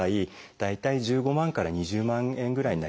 大体１５万から２０万円ぐらいになります。